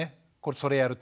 それやると。